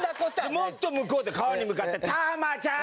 もっと向こうで川に向かって「タマちゃん！」